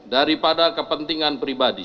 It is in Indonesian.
daripada kepentingan pribadi